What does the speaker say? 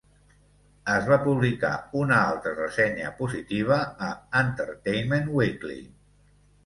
Es va publicar una altra ressenya positiva a "Entertainment Weekly".